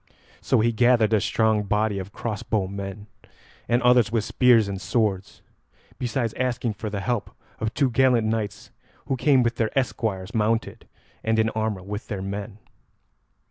So he gathered a strong body of crossbow men, and others with spears and swords, besides asking for the help of two gallant knights who came with their esquires mounted and in armour with their men.